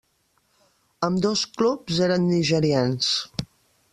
Ambdós clubs eren nigerians.